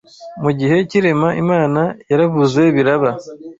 Mu gihe cy’irema, Imana yaravuze biraba